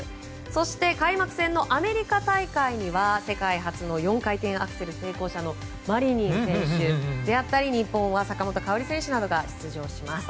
そして開幕戦のアメリカ大会には世界初の４回転アクセル成功者のマリニン選手であったり日本は坂本花織選手などが出場します。